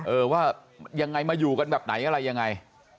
เออว่ายังไงมาอยู่กันแบบไหนอะไรยังไง